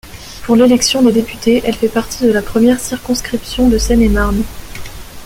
Pour l'élection des députés, elle fait partie de la première circonscription de Seine-et-Marne.